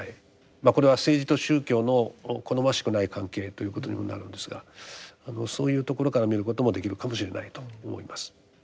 これは政治と宗教の好ましくない関係ということにもなるんですがそういうところから見ることもできるかもしれないと思います。